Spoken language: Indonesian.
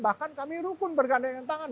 bahkan kami rukun berganda dengan tangan